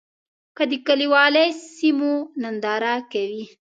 که د کلیوالي سیمو ننداره کوې.